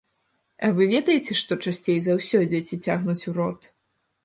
А вы ведаеце, што часцей за ўсё дзеці цягнуць у рот?